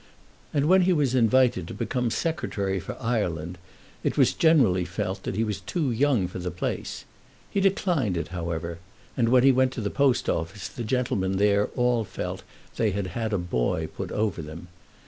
And when he was invited to become Secretary for Ireland it was generally felt that he was too young for the place. He declined it, however; and when he went to the Post office, the gentlemen there all felt that they had had a boy put over them.